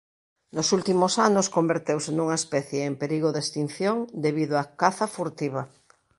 Nos últimos anos converteuse nunha especie en perigo de extinción debido á caza furtiva.